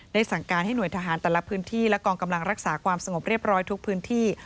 สั่งการให้หน่วยทหารแต่ละพื้นที่และกองกำลังรักษาความสงบเรียบร้อยทุกพื้นที่